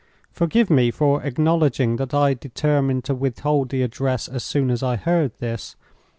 Forgive me for acknowledging that I determined to withhold the address as soon as I heard this.